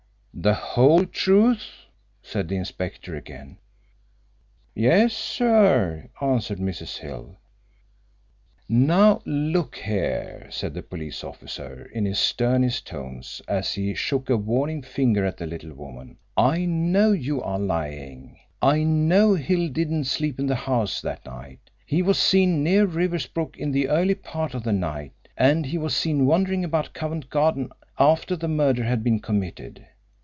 "The whole truth?" said the inspector, again. "Yes, sir," answered Mrs. Hill. "Now, look here," said the police officer, in his sternest tones, as he shook a warning finger at the little woman, "I know you are lying. I know Hill didn't sleep in the house, that night. He was seen near Riversbrook in the early part of the night and he was seen wandering about Covent Garden after the murder had been committed.